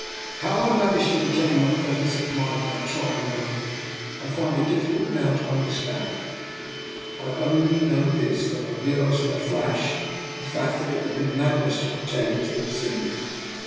How I . man aged to retain my presence of mind at that trying moment, I find it difficult now to understand. I only know this, that I realized in a flash the fact that it would be madness to pretend to have seen him.